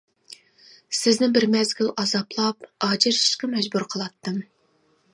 سىزنى بىر مەزگىل ئازابلاپ ئاجرىشىشقا مەجبۇر قىلاتتىم.